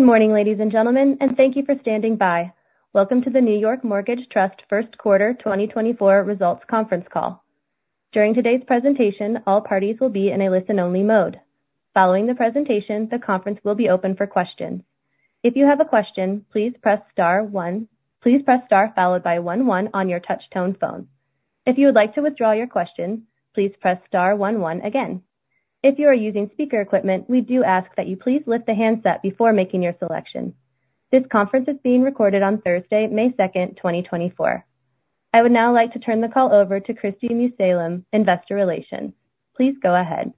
Morning, ladies and gentlemen, and thank you for standing by. Welcome to the New York Mortgage Trust First Quarter 2024 Results Conference Call. During today's presentation, all parties will be in a listen-only mode. Following the presentation, the conference will be open for questions. If you have a question, please press star one. Please press star followed by one one on your touchtone phone. If you would like to withdraw your question, please press star one one again. If you are using speaker equipment, we do ask that you please lift the handset before making your selection. This conference is being recorded on Thursday, May 2nd, 2024. I would now like to turn the call over to Christine Salem, Investor Relations. Please go ahead.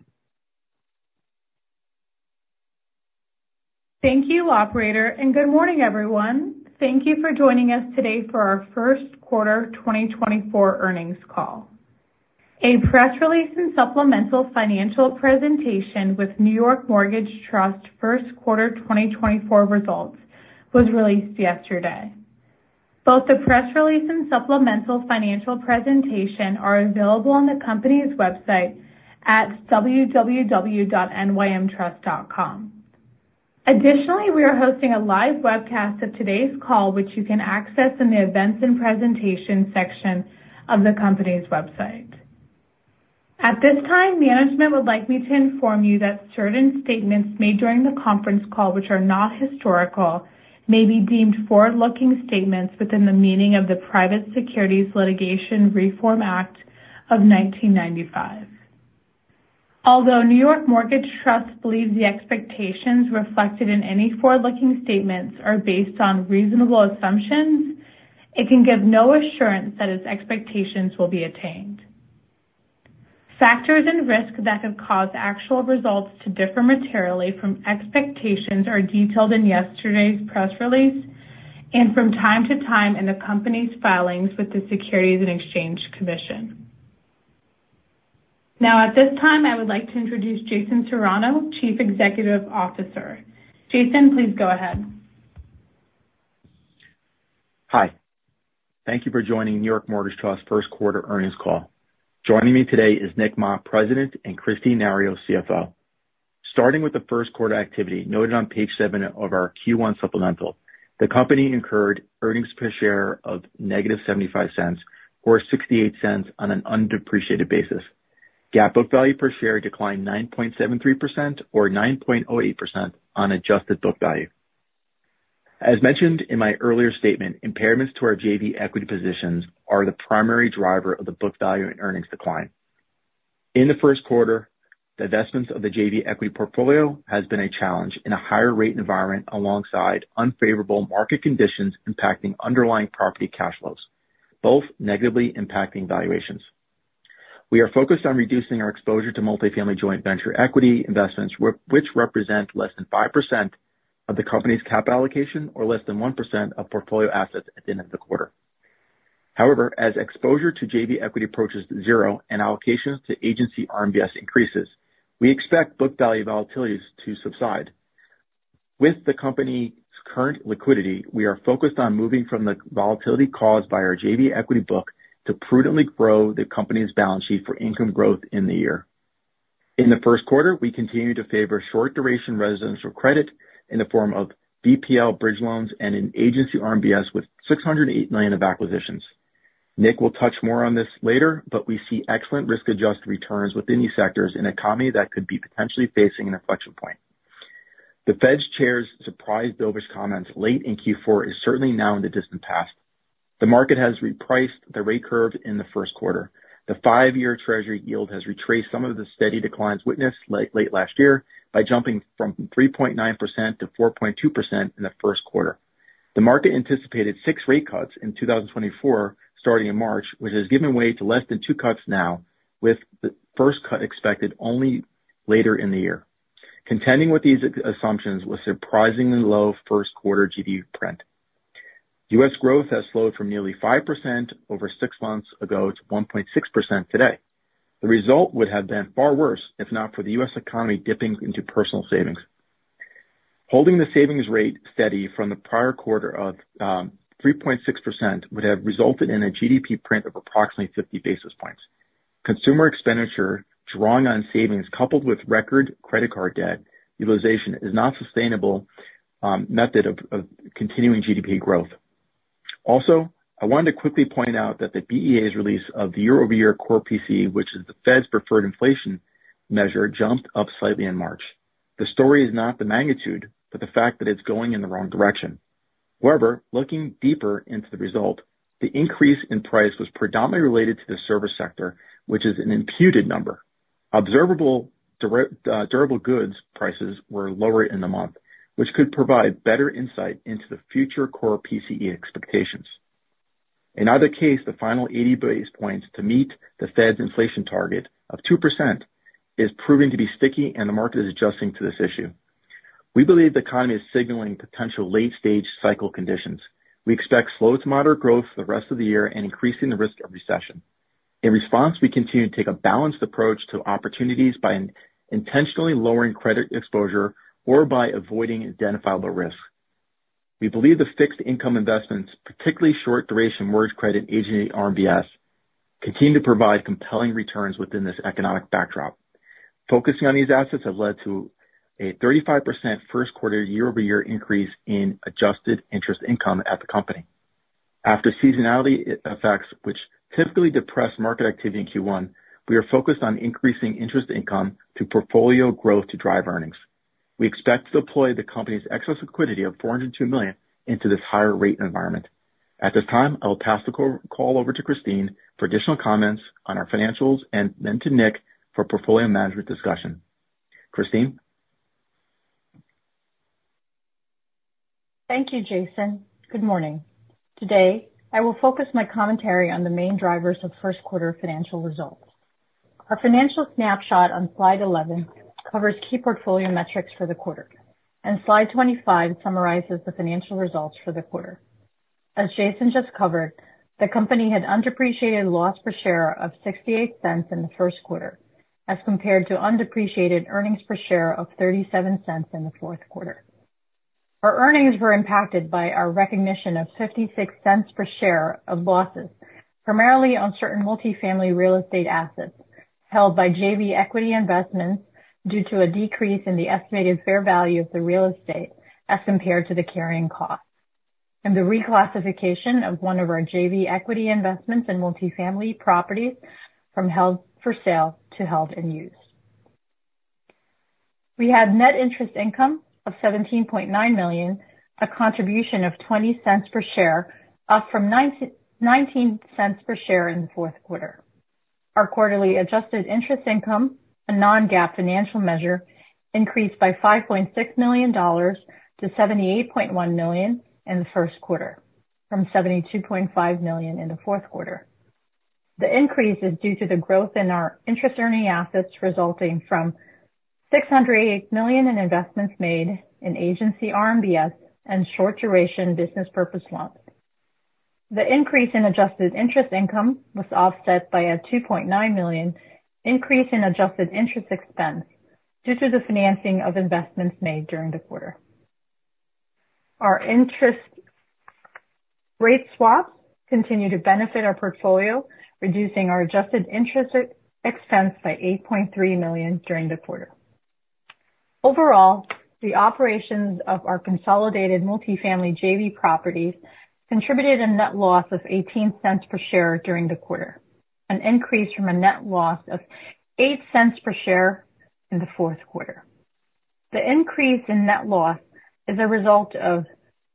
Thank you, operator, and good morning, everyone. Thank you for joining us today for our first quarter 2024 earnings call. A press release and supplemental financial presentation with New York Mortgage Trust first quarter 2024 results was released yesterday. Both the press release and supplemental financial presentation are available on the company's website at www.nymtrust.com. Additionally, we are hosting a live webcast of today's call, which you can access in the Events and Presentation section of the company's website. At this time, management would like me to inform you that certain statements made during the conference call, which are not historical, may be deemed forward-looking statements within the meaning of the Private Securities Litigation Reform Act of 1995. Although New York Mortgage Trust believes the expectations reflected in any forward-looking statements are based on reasonable assumptions, it can give no assurance that its expectations will be attained. Factors and risks that could cause actual results to differ materially from expectations are detailed in yesterday's press release and from time to time in the company's filings with the Securities and Exchange Commission. Now, at this time, I would like to introduce Jason Serrano, Chief Executive Officer. Jason, please go ahead. Hi. Thank you for joining New York Mortgage Trust first quarter earnings call. Joining me today is Nick Ma, President, and Kristine Nario, CFO. Starting with the first quarter activity noted on page 7 of our Q1 supplemental, the company incurred earnings per share of negative $0.75 or $0.68 on an undepreciated basis. GAAP book value per share declined 9.73% or 9.08% on adjusted book value. As mentioned in my earlier statement, impairments to our JV equity positions are the primary driver of the book value and earnings decline. In the first quarter, the investments of the JV equity portfolio has been a challenge in a higher rate environment alongside unfavorable market conditions impacting underlying property cash flows, both negatively impacting valuations. We are focused on reducing our exposure to multifamily joint venture equity investments, which represent less than 5% of the company's capital allocation or less than 1% of portfolio assets at the end of the quarter. However, as exposure to JV equity approaches zero and allocations to Agency RMBS increases, we expect book value volatilities to subside. With the company's current liquidity, we are focused on moving from the volatility caused by our JV equity book to prudently grow the company's balance sheet for income growth in the year. In the first quarter, we continued to favor short duration residential credit in the form of BPL bridge loans and Agency RMBS with $608 million of acquisitions. Nick will touch more on this later, but we see excellent risk-adjusted returns within these sectors in an economy that could be potentially facing an inflection point. The Fed chair's surprise dovish comments late in Q4 is certainly now in the distant past. The market has repriced the rate curve in the first quarter. The five-year Treasury yield has retraced some of the steady declines witnessed late last year by jumping from 3.9% to 4.2% in the first quarter. The market anticipated six rate cuts in 2024, starting in March, which has given way to less than two cuts now, with the first cut expected only later in the year. Contending with these assumptions was surprisingly low first quarter GDP print. U.S. growth has slowed from nearly 5% over six months ago to 1.6% today. The result would have been far worse if not for the U.S. economy dipping into personal savings. Holding the savings rate steady from the prior quarter of 3.6% would have resulted in a GDP print of approximately 50 basis points. Consumer expenditure, drawing on savings, coupled with record credit card debt utilization, is not sustainable method of continuing GDP growth. Also, I wanted to quickly point out that the BEA's release of the year-over-year core PCE, which is the Fed's preferred inflation measure, jumped up slightly in March. The story is not the magnitude, but the fact that it's going in the wrong direction. However, looking deeper into the result, the increase in price was predominantly related to the service sector, which is an imputed number. Observable durable goods prices were lower in the month, which could provide better insight into the future core PCE expectations. In either case, the final 80 basis points to meet the Fed's inflation target of 2% is proving to be sticky, and the market is adjusting to this issue. We believe the economy is signaling potential late-stage cycle conditions. We expect slow to moderate growth for the rest of the year and increasing the risk of recession. In response, we continue to take a balanced approach to opportunities by intentionally lowering credit exposure or by avoiding identifiable risk. We believe the fixed income investments, particularly short duration mortgage credit Agency RMBS, continue to provide compelling returns within this economic backdrop. Focusing on these assets have led to a 35% first quarter year-over-year increase in adjusted interest income at the company. After seasonality effects, which typically depress market activity in Q1, we are focused on increasing interest income through portfolio growth to drive earnings. We expect to deploy the company's excess liquidity of $402 million into this higher rate environment. At this time, I will pass the call over to Kristine for additional comments on our financials and then to Nick for portfolio management discussion. Kristine? Thank you, Jason. Good morning. Today, I will focus my commentary on the main drivers of first quarter financial results. Our financial snapshot on Slide 11 covers key portfolio metrics for the quarter, and Slide 25 summarizes the financial results for the quarter. As Jason just covered, the company had undepreciated loss per share of $0.68 in the first quarter, as compared to undepreciated earnings per share of $0.37 in the fourth quarter. Our earnings were impacted by our recognition of $0.56 per share of losses, primarily on certain multifamily real estate assets held by JV equity investments, due to a decrease in the estimated fair value of the real estate as compared to the carrying cost, and the reclassification of one of our JV equity investments in multifamily properties from held for sale to held and used. We had net interest income of $17.9 million, a contribution of $0.20 per share, up from $0.19 per share in the fourth quarter. Our quarterly adjusted interest income, a non-GAAP financial measure, increased by $5.6 million to $78.1 million in the first quarter, from $72.5 million in the fourth quarter. The increase is due to the growth in our interest earning assets, resulting from $608 million in investments made in Agency RMBS and short duration business purpose loans. The increase in adjusted interest income was offset by a $2.9 million increase in adjusted interest expense due to the financing of investments made during the quarter. Our interest rate swaps continue to benefit our portfolio, reducing our adjusted interest expense by $8.3 million during the quarter. Overall, the operations of our consolidated multifamily JV properties contributed a net loss of $0.18 per share during the quarter, an increase from a net loss of $0.08 per share in the fourth quarter. The increase in net loss is a result of,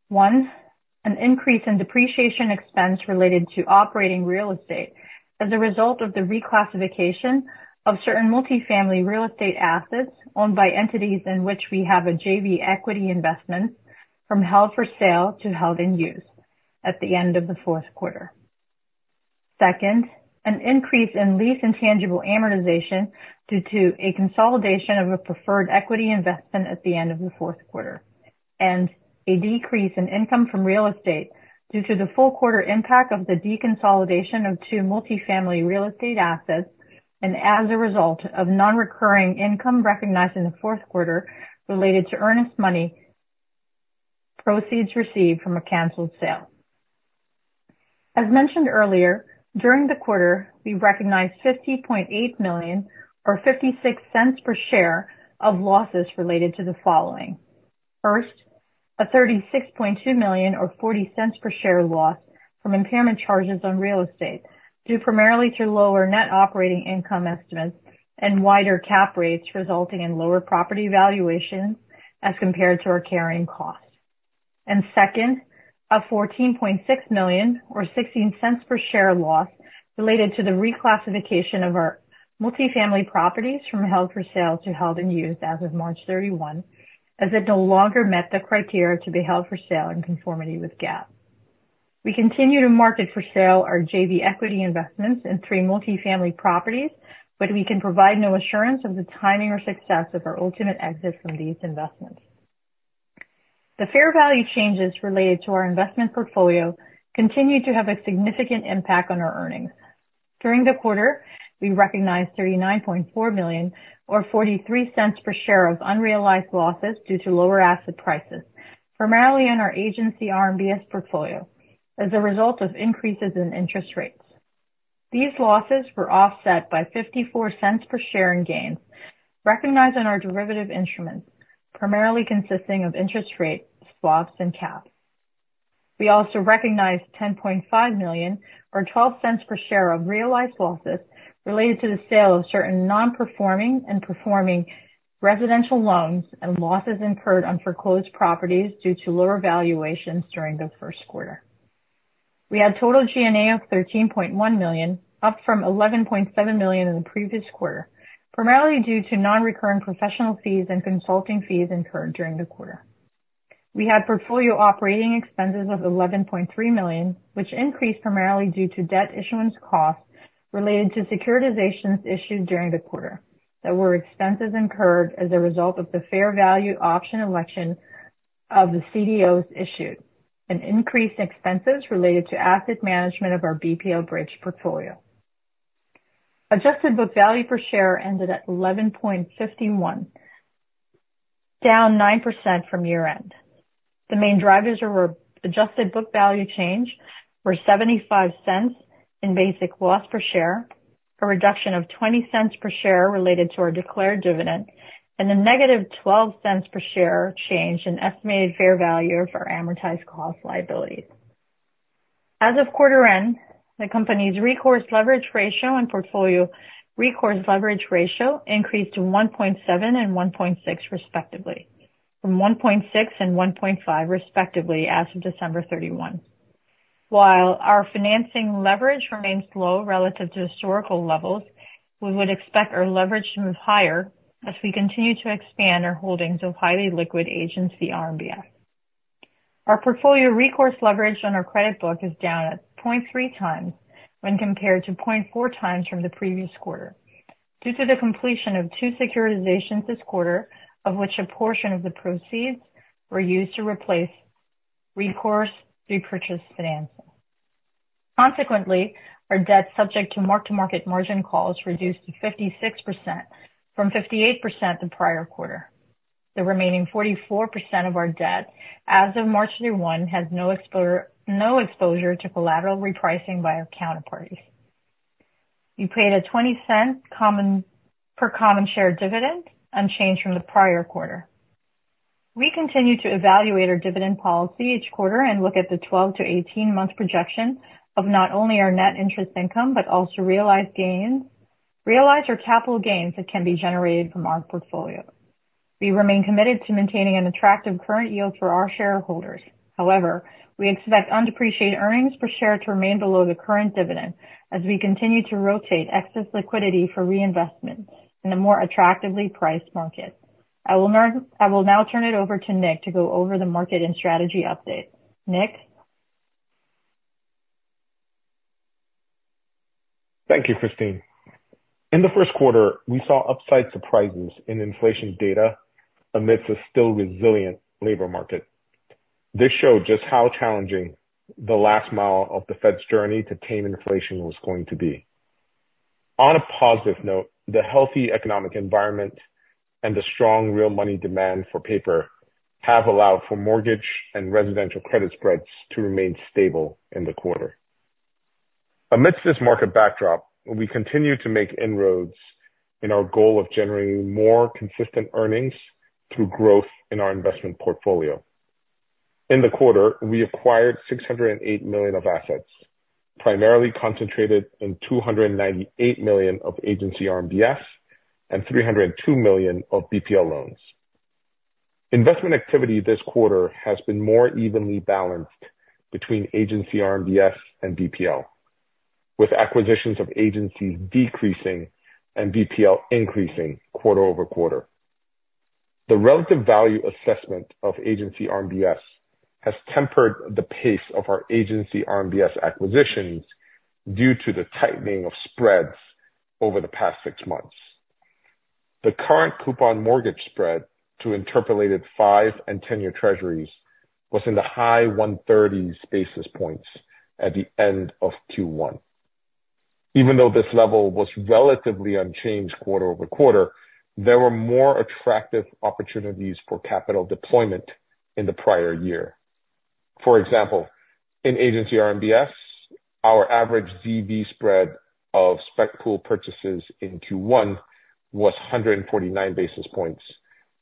one, an increase in depreciation expense related to operating real estate as a result of the reclassification of certain multifamily real estate assets owned by entities in which we have a JV equity investment from held for sale to held and used at the end of the fourth quarter. Second, an increase in lease intangible amortization due to a consolidation of a preferred equity investment at the end of the fourth quarter. A decrease in income from real estate due to the full quarter impact of the deconsolidation of two multifamily real estate assets, and as a result of non-recurring income recognized in the fourth quarter related to earnest money proceeds received from a canceled sale. As mentioned earlier, during the quarter, we recognized $50.8 million, or $0.56 per share, of losses related to the following: First, a $36.2 million, or $0.40 per share, loss from impairment charges on real estate, due primarily to lower net operating income estimates and wider cap rates, resulting in lower property valuation as compared to our carrying costs. And second, a $14.6 million, or $0.16 per share, loss related to the reclassification of our multifamily properties from held for sale to held and used as of March 31, as it no longer met the criteria to be held for sale in conformity with GAAP. We continue to market for sale our JV equity investments in three multifamily properties, but we can provide no assurance of the timing or success of our ultimate exit from these investments. The fair value changes related to our investment portfolio continued to have a significant impact on our earnings. During the quarter, we recognized $39.4 million, or $0.43 per share, of unrealized losses due to lower asset prices, primarily in our Agency RMBS portfolio as a result of increases in interest rates. These losses were offset by $0.54 per share in gains recognized in our derivative instruments, primarily consisting of interest rate swaps and caps. We also recognized $10.5 million, or $0.12 per share, of realized losses related to the sale of certain non-performing and performing residential loans and losses incurred on foreclosed properties due to lower valuations during the first quarter. We had total G&A of $13.1 million, up from $11.7 million in the previous quarter, primarily due to non-recurring professional fees and consulting fees incurred during the quarter. We had portfolio operating expenses of $11.3 million, which increased primarily due to debt issuance costs related to securitizations issued during the quarter, that were expenses incurred as a result of the fair value option election of the CDOs issued, and increased expenses related to asset management of our BPL bridge portfolio. Adjusted book value per share ended at $11.51, down 9% from year-end. The main drivers were, adjusted book value change were $0.75 in basic loss per share, a reduction of $0.20 per share related to our declared dividend, and a negative $0.12 per share change in estimated fair value for amortized cost liabilities. As of quarter end, the company's recourse leverage ratio and portfolio recourse leverage ratio increased to 1.7 and 1.6 respectively, from 1.6 and 1.5 respectively as of December 31. While our financing leverage remains low relative to historical levels, we would expect our leverage to move higher as we continue to expand our holdings of highly liquid Agency RMBS. Our portfolio recourse leverage on our credit book is down at 0.3x when compared to 0.4x from the previous quarter, due to the completion of two securitizations this quarter, of which a portion of the proceeds were used to replace recourse repurchase financing. Consequently, our debt subject to mark-to-market margin calls reduced to 56% from 58% the prior quarter. The remaining 44% of our debt as of March 31 has no exposure, no exposure to collateral repricing by our counterparties. We paid a $0.20 common per common share dividend, unchanged from the prior quarter. We continue to evaluate our dividend policy each quarter and look at the 12-18-month projection of not only our net interest income, but also realized gains, realized or capital gains that can be generated from our portfolio. We remain committed to maintaining an attractive current yield for our shareholders. However, we expect undepreciated earnings per share to remain below the current dividend as we continue to rotate excess liquidity for reinvestment in a more attractively priced market. I will now, I will now turn it over to Nick to go over the market and strategy update. Nick? Thank you, Kristine. In the first quarter, we saw upside surprises in inflation data amidst a still resilient labor market. This showed just how challenging the last mile of the Fed's journey to tame inflation was going to be. On a positive note, the healthy economic environment and the strong real money demand for paper have allowed for mortgage and residential credit spreads to remain stable in the quarter. Amidst this market backdrop, we continue to make inroads in our goal of generating more consistent earnings through growth in our investment portfolio. In the quarter, we acquired $608 million of assets, primarily concentrated in $298 million of Agency RMBS and $302 million of BPL loans. Investment activity this quarter has been more evenly balanced between Agency RMBS and BPL, with acquisitions of Agency decreasing and BPL increasing quarter-over-quarter. The relative value assessment of Agency RMBS has tempered the pace of our Agency RMBS acquisitions due to the tightening of spreads over the past six months. The current coupon mortgage spread to interpolated 5-year and 10-year Treasuries was in the high 130s basis points at the end of Q1. Even though this level was relatively unchanged quarter-over-quarter, there were more attractive opportunities for capital deployment in the prior year. For example, in Agency RMBS, our average ZV spread of spec pool purchases in Q1 was 149 basis points,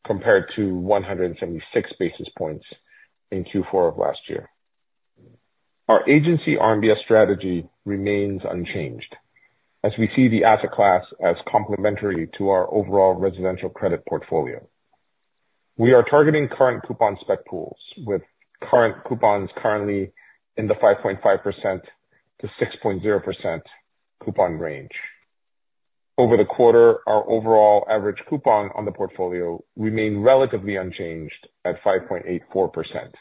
compared to 176 basis points in Q4 of last year. Our Agency RMBS strategy remains unchanged, as we see the asset class as complementary to our overall residential credit portfolio. We are targeting current coupon spec pools, with current coupons currently in the 5.5%-6.0% coupon range. Over the quarter, our overall average coupon on the portfolio remained relatively unchanged at 5.84%.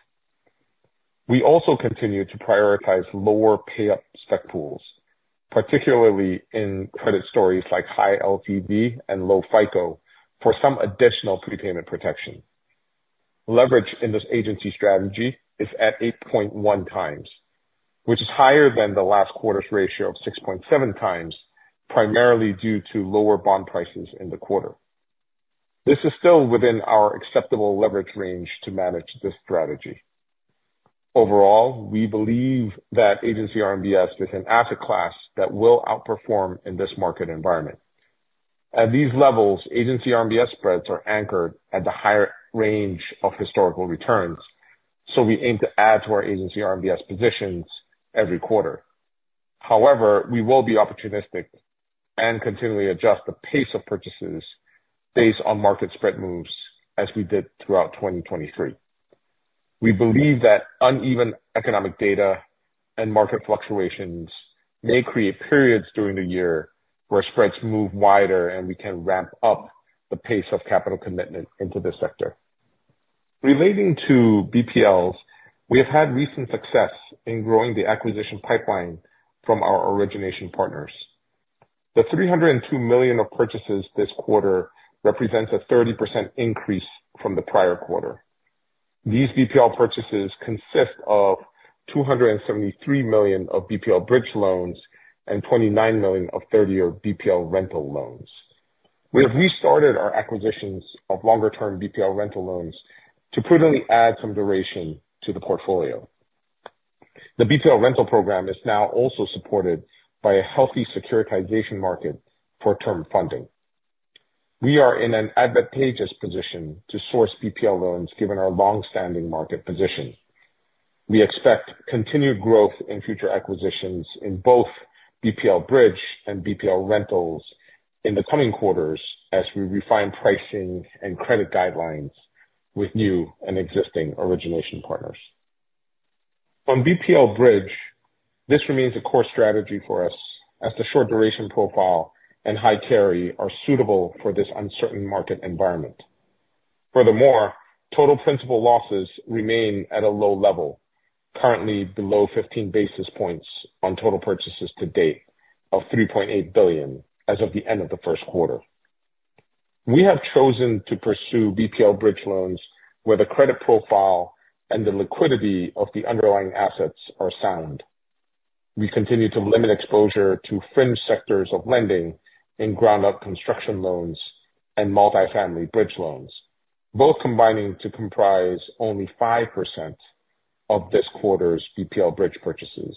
We also continued to prioritize lower payup spec pools, particularly in credit stories like high LTV and low FICO, for some additional prepayment protection. Leverage in this Agency RMBS strategy is at 8.1x, which is higher than the last quarter's ratio of 6.7x, primarily due to lower bond prices in the quarter. This is still within our acceptable leverage range to manage this strategy. Overall, we believe that Agency RMBS is an asset class that will outperform in this market environment. At these levels, Agency RMBS spreads are anchored at the higher range of historical returns, so we aim to add to our Agency RMBS positions every quarter. However, we will be opportunistic and continually adjust the pace of purchases based on market spread moves, as we did throughout 2023. We believe that uneven economic data and market fluctuations may create periods during the year where spreads move wider, and we can ramp up the pace of capital commitment into this sector. Relating to BPLs, we have had recent success in growing the acquisition pipeline from our origination partners. The $302 million of purchases this quarter represents a 30% increase from the prior quarter. These BPL purchases consist of $273 million of BPL bridge loans and $29 million of 30-year BPL rental loans. We have restarted our acquisitions of longer term BPL Rental loans to prudently add some duration to the portfolio. The BPL Rental program is now also supported by a healthy securitization market for term funding. We are in an advantageous position to source BPL loans, given our long-standing market position. We expect continued growth in future acquisitions in both BPL Bridge and BPL Rentals in the coming quarters as we refine pricing and credit guidelines with new and existing origination partners. On BPL Bridge, this remains a core strategy for us as the short duration profile and high carry are suitable for this uncertain market environment. Furthermore, total principal losses remain at a low level, currently below 15 basis points on total purchases to date of $3.8 billion as of the end of the first quarter. We have chosen to pursue BPL bridge loans where the credit profile and the liquidity of the underlying assets are sound. We continue to limit exposure to fringe sectors of lending in ground up construction loans and multifamily bridge loans, both combining to comprise only 5% of this quarter's BPL bridge purchases.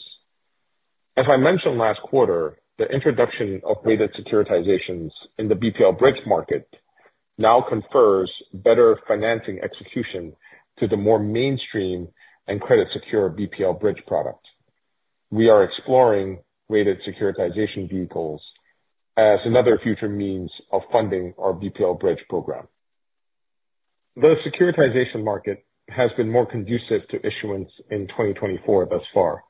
As I mentioned last quarter, the introduction of rated securitizations in the BPL bridge market now confers better financing execution to the more mainstream and credit secure BPL bridge product. We are exploring rated securitization vehicles as another future means of funding our BPL bridge program. The securitization market has been more conducive to issuance in 2024 thus far.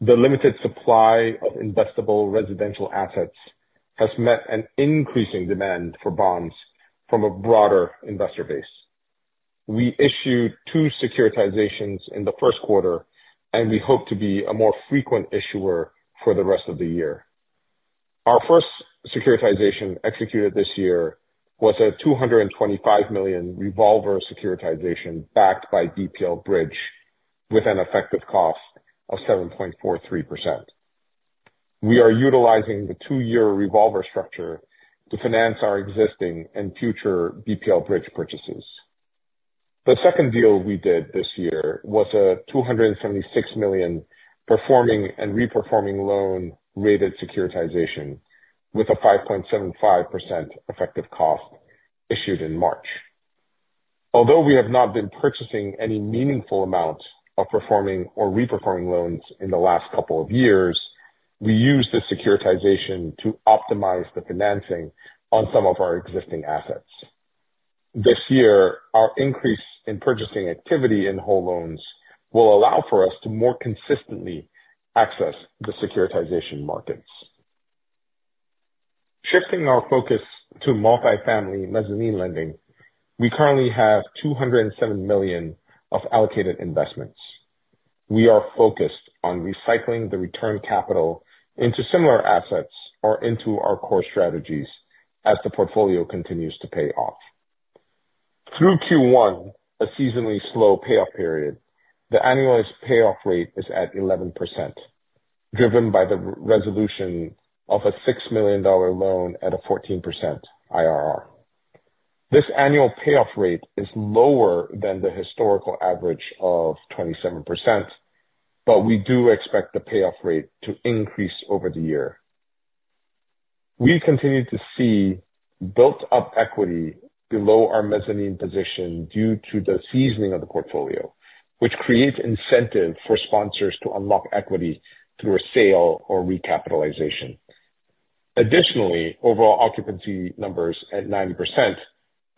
The limited supply of investable residential assets has met an increasing demand for bonds from a broader investor base. We issued two securitizations in the first quarter, and we hope to be a more frequent issuer for the rest of the year. Our first securitization executed this year was a $225 million revolver securitization, backed by BPL Bridge, with an effective cost of 7.43%. We are utilizing the two-year revolver structure to finance our existing and future BPL Bridge purchases. The second deal we did this year was a $276 million performing and reperforming loan rated securitization with a 5.75% effective cost issued in March. Although we have not been purchasing any meaningful amount of performing or reperforming loans in the last couple of years, we used this securitization to optimize the financing on some of our existing assets. This year, our increase in purchasing activity in whole loans will allow for us to more consistently access the securitization markets. Shifting our focus to multifamily mezzanine lending, we currently have $207 million of allocated investments. We are focused on recycling the return capital into similar assets or into our core strategies as the portfolio continues to pay off. Through Q1, a seasonally slow payoff period, the annualized payoff rate is at 11%, driven by the resolution of a $6 million loan at a 14% IRR. This annual payoff rate is lower than the historical average of 27%, but we do expect the payoff rate to increase over the year. We continue to see built-up equity below our mezzanine position due to the seasoning of the portfolio, which creates incentive for sponsors to unlock equity through a sale or recapitalization. Additionally, overall occupancy numbers at 90%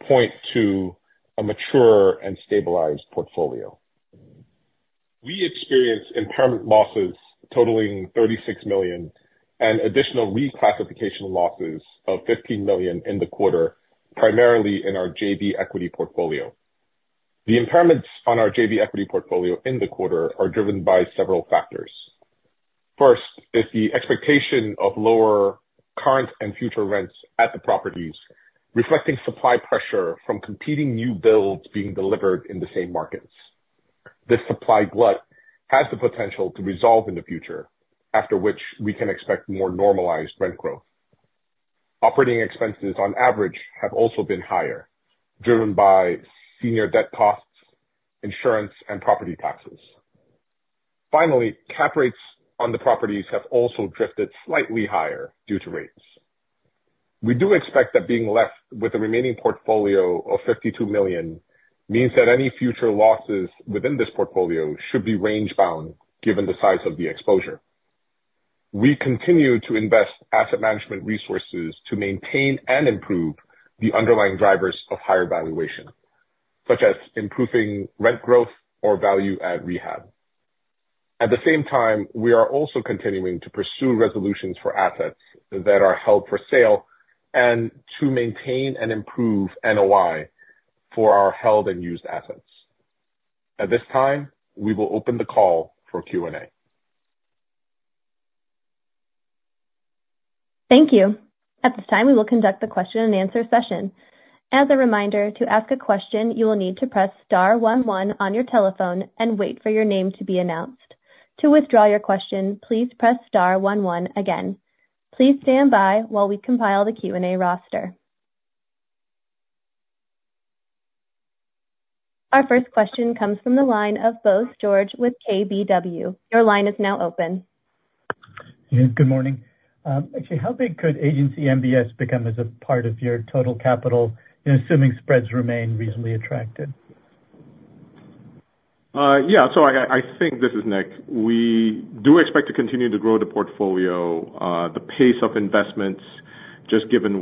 point to a mature and stabilized portfolio. We experienced impairment losses totaling $36 million and additional reclassification losses of $15 million in the quarter, primarily in our JV equity portfolio. The impairments on our JV equity portfolio in the quarter are driven by several factors. First is the expectation of lower current and future rents at the properties, reflecting supply pressure from competing new builds being delivered in the same markets. This supply glut has the potential to resolve in the future, after which we can expect more normalized rent growth. Operating expenses, on average, have also been higher, driven by senior debt costs, insurance, and property taxes. Finally, cap rates on the properties have also drifted slightly higher due to rates. We do expect that being left with a remaining portfolio of $52 million means that any future losses within this portfolio should be range-bound, given the size of the exposure. We continue to invest asset management resources to maintain and improve the underlying drivers of higher valuation, such as improving rent growth or value add rehab. At the same time, we are also continuing to pursue resolutions for assets that are held for sale and to maintain and improve NOI for our held and used assets. At this time, we will open the call for Q&A. Thank you. At this time, we will conduct the question and answer session. As a reminder, to ask a question, you will need to press star one one on your telephone and wait for your name to be announced. To withdraw your question, please press star one one again. Please stand by while we compile the Q&A roster. Our first question comes from the line of Bose George with KBW. Your line is now open. Yeah, good morning. Actually, how big could agency MBS become as a part of your total capital, you know, assuming spreads remain reasonably attractive? Yeah, so I, I think this is Nick. We do expect to continue to grow the portfolio. The pace of investments, just given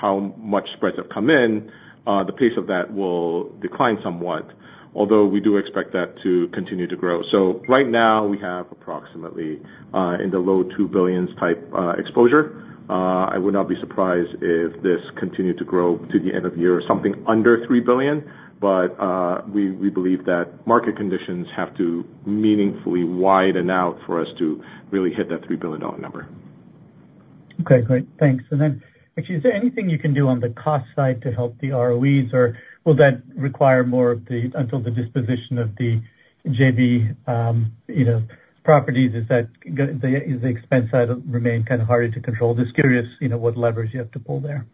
how much spreads have come in, the pace of that will decline somewhat, although we do expect that to continue to grow. So right now we have approximately in the low $2 billion-type exposure. I would not be surprised if this continued to grow to the end of the year or something under $3 billion, but we believe that market conditions have to meaningfully widen out for us to really hit that $3 billion number. Okay, great. Thanks. And then actually, is there anything you can do on the cost side to help the ROEs, or will that require more until the disposition of the JV, you know, properties? Is the expense side remain kind of harder to control? Just curious, you know, what levers you have to pull there.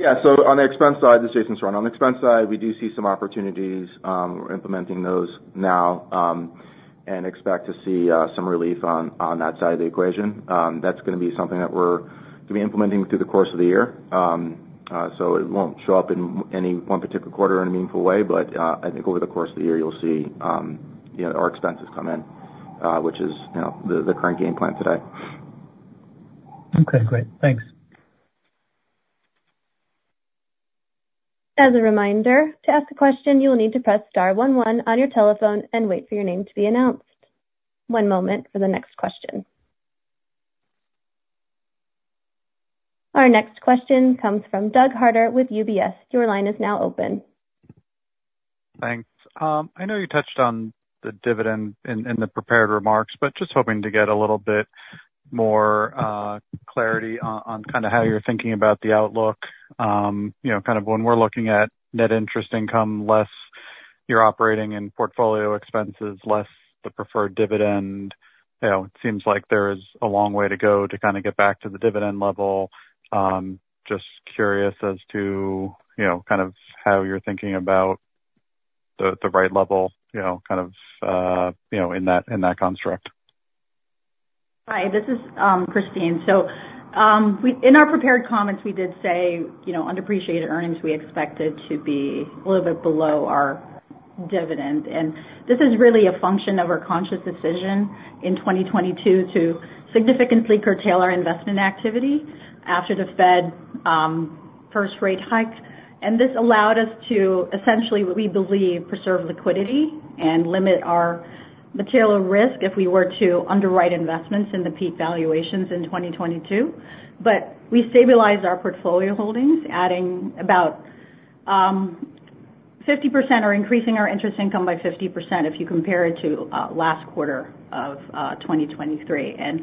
Yeah. So on the expense side. This is Jason Serrano. On the expense side, we do see some opportunities. We're implementing those now, and expect to see some relief on that side of the equation. That's gonna be something that we're gonna be implementing through the course of the year. So it won't show up in any one particular quarter in a meaningful way, but I think over the course of the year, you'll see, you know, our expenses come in, which is, you know, the current game plan today. Okay, great. Thanks. As a reminder, to ask a question, you will need to press star one one on your telephone and wait for your name to be announced. One moment for the next question. Our next question comes from Doug Harter with UBS. Your line is now open. Thanks. I know you touched on the dividend in the prepared remarks, but just hoping to get a little bit more clarity on kind of how you're thinking about the outlook. You know, kind of when we're looking at net interest income, less your operating and portfolio expenses, less the preferred dividend, you know, it seems like there is a long way to go to kind of get back to the dividend level. Just curious as to, you know, kind of how you're thinking about the right level, you know, kind of in that construct. Hi, this is Kristine. So, in our prepared comments, we did say, you know, underappreciated earnings, we expected to be a little bit below our dividend. And this is really a function of our conscious decision in 2022 to significantly curtail our investment activity after the Fed first rate hike. And this allowed us to essentially, we believe, preserve liquidity and limit our material risk if we were to underwrite investments in the peak valuations in 2022. But we stabilized our portfolio holdings, adding about 50% or increasing our interest income by 50% if you compare it to last quarter of 2023. And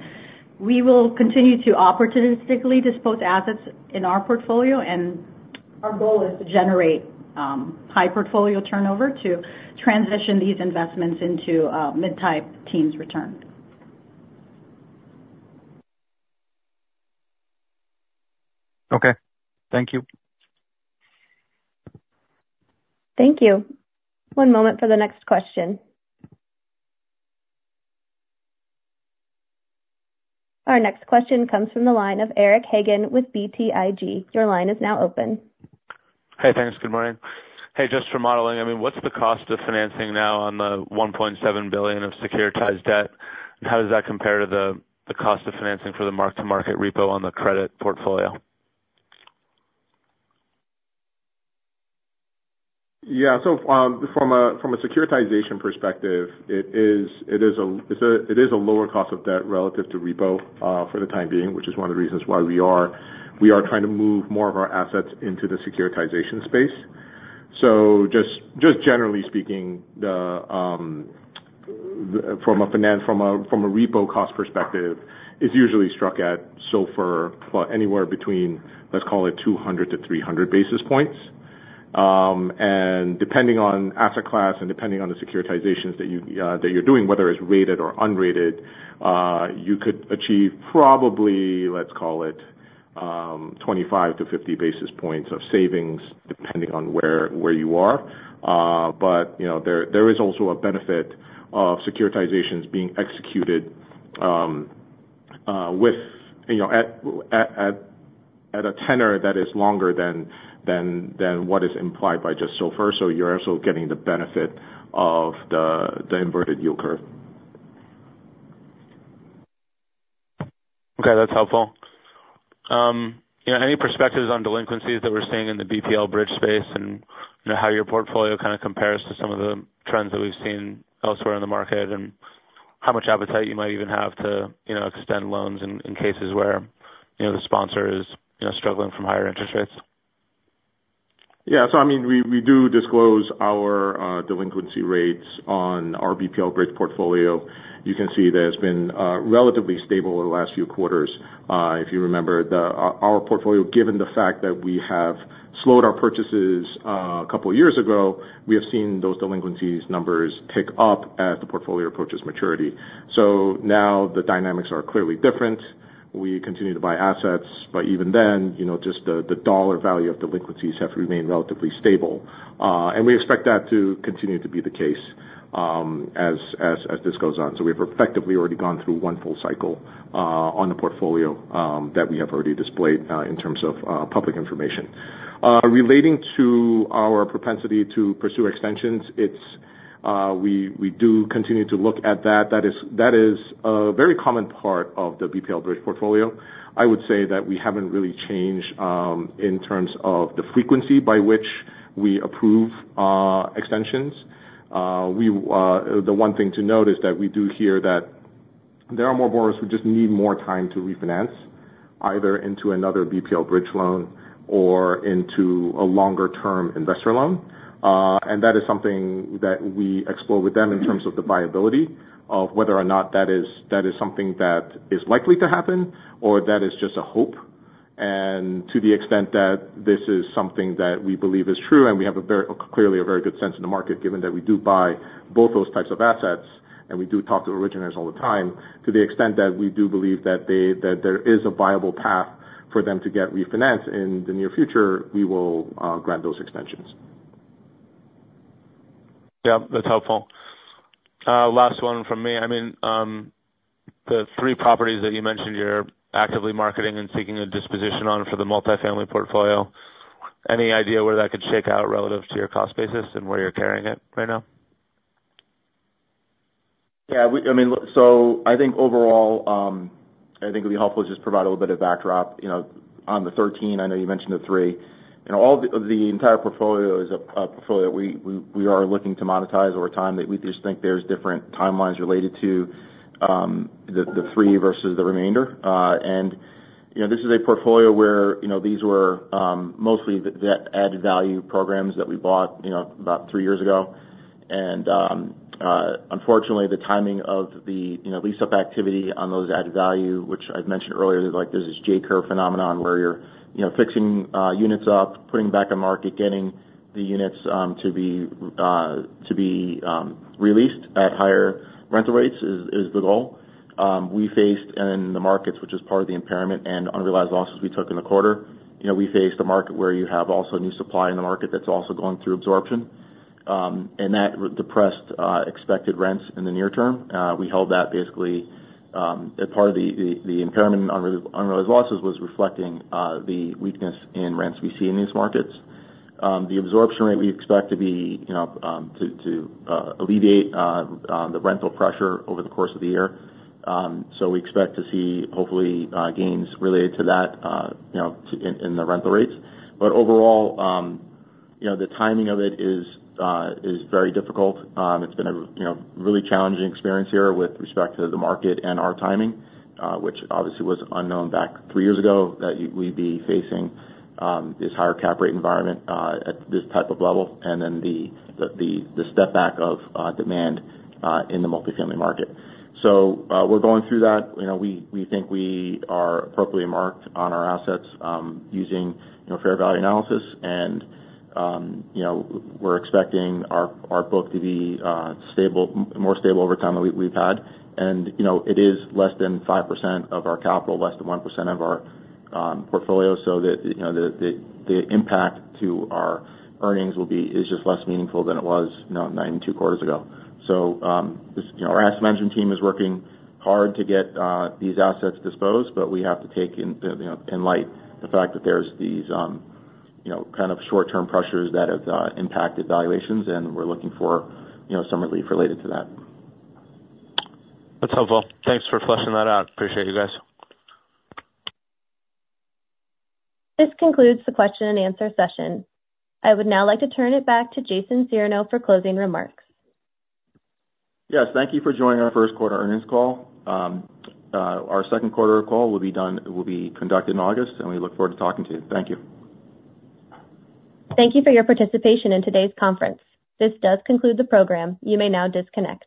we will continue to opportunistically dispose assets in our portfolio, and our goal is to generate high portfolio turnover to transition these investments into a mid-teens return. Okay. Thank you. Thank you. One moment for the next question. Our next question comes from the line of Eric Hagen with BTIG. Your line is now open. Hey, thanks. Good morning. Hey, just for modeling, I mean, what's the cost of financing now on the $1.7 billion of securitized debt? And how does that compare to the cost of financing for the mark-to-market repo on the credit portfolio? Yeah, so, from a securitization perspective, it is a lower cost of debt relative to repo, for the time being, which is one of the reasons why we are trying to move more of our assets into the securitization space. So just generally speaking, from a repo cost perspective, it's usually struck at SOFR anywhere between, let's call it 200-300 basis points. And depending on asset class and depending on the securitizations that you that you're doing, whether it's rated or unrated, you could achieve probably, let's call it, 25-50 basis points of savings, depending on where you are. But you know, there is also a benefit of securitizations being executed with you know, at a tenor that is longer than what is implied by just SOFR. So you're also getting the benefit of the inverted yield curve. Okay, that's helpful. You know, any perspectives on delinquencies that we're seeing in the BPL bridge space, and, you know, how your portfolio kind of compares to some of the trends that we've seen elsewhere in the market, and how much appetite you might even have to, you know, extend loans in cases where, you know, the sponsor is, you know, struggling from higher interest rates? Yeah, so I mean, we do disclose our delinquency rates on our BPL bridge portfolio. You can see that it's been relatively stable over the last few quarters. If you remember, our portfolio, given the fact that we have slowed our purchases a couple of years ago, we have seen those delinquencies numbers tick up as the portfolio approaches maturity. So now the dynamics are clearly different. We continue to buy assets, but even then, you know, just the dollar value of delinquencies have remained relatively stable. And we expect that to continue to be the case as this goes on. So we've effectively already gone through one full cycle on the portfolio that we have already displayed in terms of public information. Relating to our propensity to pursue extensions, it's we do continue to look at that. That is a very common part of the BPL Bridge portfolio. I would say that we haven't really changed in terms of the frequency by which we approve extensions. The one thing to note is that we do hear that there are more borrowers who just need more time to refinance, either into another BPL Bridge loan or into a longer-term investor loan. And that is something that we explore with them in terms of the viability of whether or not that is something that is likely to happen or that is just a hope. To the extent that this is something that we believe is true, and we have very clearly a very good sense in the market, given that we do buy both those types of assets, and we do talk to originators all the time, to the extent that we do believe that there is a viable path for them to get refinanced in the near future, we will grant those extensions. Yeah, that's helpful. Last one from me. I mean, the three properties that you mentioned you're actively marketing and seeking a disposition on for the multifamily portfolio, any idea where that could shake out relative to your cost basis and where you're carrying it right now? Yeah, we, I mean, so I think overall, I think it'd be helpful to just provide a little bit of backdrop, you know, on the 13, I know you mentioned the three. You know, all of the entire portfolio is a portfolio we are looking to monetize over time, that we just think there's different timelines related to the three versus the remainder. And, you know, this is a portfolio where, you know, these were mostly the add value programs that we bought, you know, about three years ago. Unfortunately, the timing of the, you know, lease-up activity on those add value, which I've mentioned earlier, like there's this J-curve phenomenon where you're, you know, fixing units up, putting back on market, getting the units to be released at higher rental rates is the goal. We faced in the markets, which is part of the impairment and unrealized losses we took in the quarter. You know, we faced a market where you have also new supply in the market that's also going through absorption, and that depressed expected rents in the near term. We held that basically as part of the impairment unrealized losses was reflecting the weakness in rents we see in these markets. The absorption rate, we expect to be, you know, to alleviate the rental pressure over the course of the year. So we expect to see, hopefully, gains related to that, you know, in the rental rates. But overall, you know, the timing of it is very difficult. It's been a you know really challenging experience here with respect to the market and our timing, which obviously was unknown back three years ago, that we'd be facing this higher cap rate environment at this type of level, and then the step back of demand in the multifamily market. So, we're going through that. You know, we think we are appropriately marked on our assets, using you know fair value analysis. You know, we're expecting our book to be stable, more stable over time than we've had. You know, it is less than 5% of our capital, less than 1% of our portfolio, so that, you know, the impact to our earnings will be... is just less meaningful than it was, you know, 92 quarters ago. This, you know, our asset management team is working hard to get these assets disposed, but we have to take in, you know, in light of the fact that there's these, you know, kind of short-term pressures that have impacted valuations, and we're looking for, you know, some relief related to that. That's helpful. Thanks for fleshing that out. Appreciate you guys. This concludes the question and answer session. I would now like to turn it back to Jason Serrano for closing remarks. Yes, thank you for joining our first quarter earnings call. Our second quarter call will be done, will be conducted in August, and we look forward to talking to you. Thank you. Thank you for your participation in today's conference. This does conclude the program. You may now disconnect.